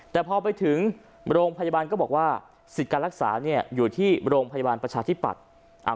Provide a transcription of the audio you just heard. แต่พอไปถึงโรงพยาบาลก็บอกว่าสิทธิ์การรักษาเนี่ยอยู่ที่โรงพยาบาลประชาธิปัตย์